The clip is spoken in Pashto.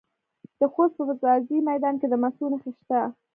د خوست په ځاځي میدان کې د مسو نښې شته.